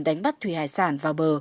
đánh bắt thủy hải sản vào bờ